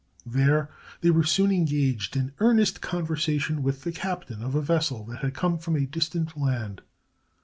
There they were soon engaged in earnest conversation with the captain of a vessel that had come from a distant land.